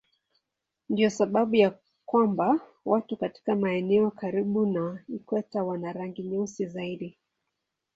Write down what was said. Ndiyo sababu ya kwamba watu katika maeneo karibu na ikweta wana rangi nyeusi zaidi.